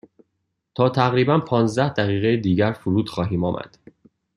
تا تقریبا پانزده دقیقه دیگر فرود خواهیم آمد.